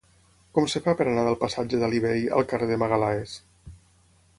Com es fa per anar del passatge d'Alí Bei al carrer de Magalhães?